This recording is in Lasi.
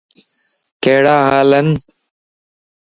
ڪھڙا ھالن؟